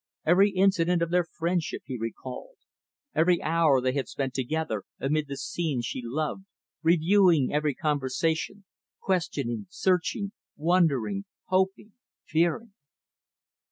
Every incident of their friendship he recalled every hour they had spent together amid the scenes she loved reviewing every conversation questioning searching, wondering, hoping, fearing.